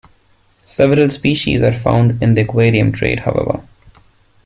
Several species are found in the aquarium trade, however.